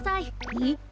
えっ？